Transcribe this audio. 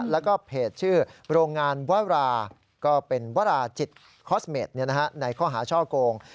แล้วก็เพจชื่อโรงงานวาราก็เป็นวราจิตคอสเมดในข้อหาช่อโกง